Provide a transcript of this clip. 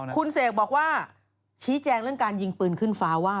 คุณเสกบอกว่าชี้แจงเรื่องการยิงปืนขึ้นฟ้าว่า